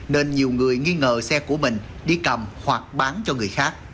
nên nhiều người nghi ngờ xe của mình đi cầm hoặc bán cho người khác